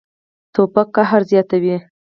توپک قهر زیاتوي.